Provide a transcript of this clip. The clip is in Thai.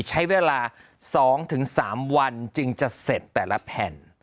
ใช้เวลา๒๓วันจึงจะเสร็จแต่ละแผ่น